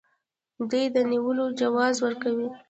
دوی د نیولو جواز ورکوي.